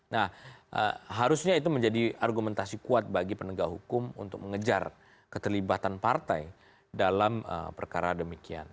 nah harusnya itu menjadi argumentasi kuat bagi penegak hukum untuk mengejar keterlibatan partai dalam perkara demikian